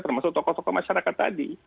termasuk tokoh tokoh masyarakat tadi